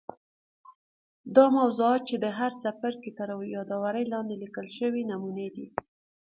دا موضوعات چې د هر څپرکي تر یادوري لاندي لیکل سوي نمونې دي.